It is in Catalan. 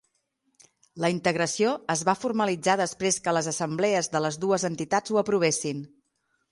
La integració es va formalitzar després que les assemblees de les dues entitats ho aprovessin.